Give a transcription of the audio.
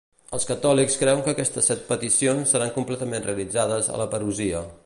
Els catòlics creuen que aquestes set peticions seran completament realitzades a la Parusia.